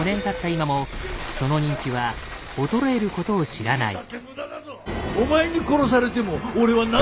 今もその人気は衰えることを知らない。